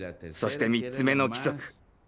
そして３つ目の規則。